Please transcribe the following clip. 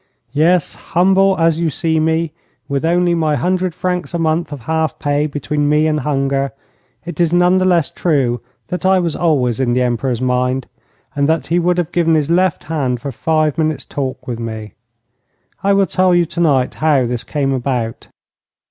Yes, humble as you see me, with only my 100 francs a month of half pay between me and hunger, it is none the less true that I was always in the Emperor's mind, and that he would have given his left hand for five minutes' talk with me. I will tell you tonight how this came about.